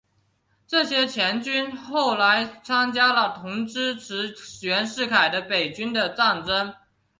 这些黔军后来参加了同支持袁世凯的北军的战争。